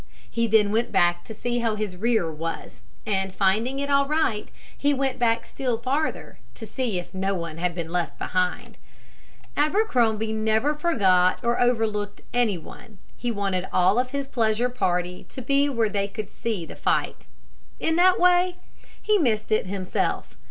He then went back to see how his rear was, and, finding it all right, he went back still farther, to see if no one had been left behind. [Illustration: ABERCROMBIE WENT BACK TO THE REAR.] Abercrombie never forgot or overlooked any one. He wanted all of his pleasure party to be where they could see the fight. In that way he missed it himself.